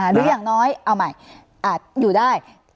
หรืออย่างน้อยเอาใหม่อาจอยู่ได้